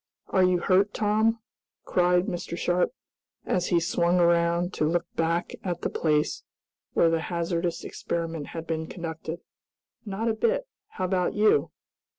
"Are you hurt, Tom?" cried Mr. Sharp, as he swung around to look back at the place where the hazardous experiment had been conducted. "Not a bit! How about you?"